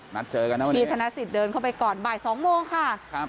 นัดเจอกันนะวันนี้พี่ธนสิทธิเดินเข้าไปก่อนบ่ายสองโมงค่ะครับ